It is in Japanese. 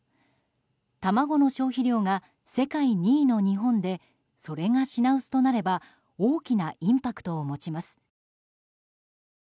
卵の消費量が世界２位の日本でそれが品薄となれば大きなインパクトを持ちます。